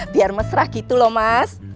biar mesra gitu loh mas